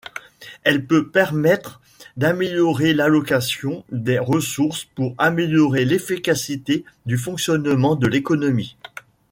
Elle peut permettre d'améliorer l'allocation des ressources pour améliorer l'efficacité du fonctionnement de l'économie.